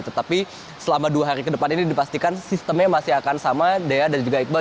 tetapi selama dua hari ke depan ini dipastikan sistemnya masih akan sama dea dan juga iqbal